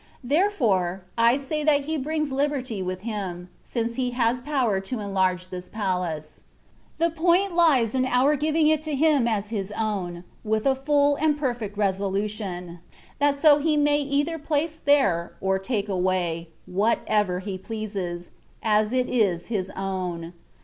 There fore, I say that He brings Uberty with him, since He has power to enlarge this palace. The point lies in our giving it to Him as His own, with a full and perfect resolution, that so He may either place there, or take away, whatever He pleases, as it is His own.